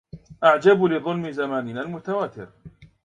أعجب لظلم زماننا المتواتر